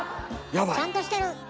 ちゃんとしてる。